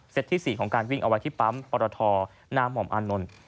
ที่๔ของการวิ่งเอาไว้ที่ปั๊มปรทหน้าหม่อมอานนท์